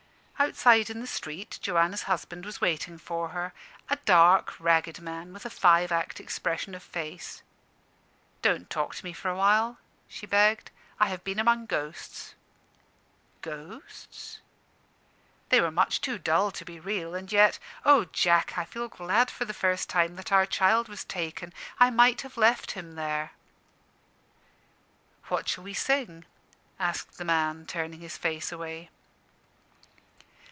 Outside, in the street, Joanna's husband was waiting for her a dark, ragged man, with a five act expression of face. "Don't talk to me for a while," she begged. "I have been among ghosts." "Ghosts?" "They were much too dull to be real: and yet Oh, Jack, I feel glad for the first time that our child was taken! I might have left him there." "What shall we sing?" asked the man, turning his face away.